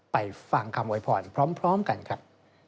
ไปฟังคำโวยพรพร้อมกันครับ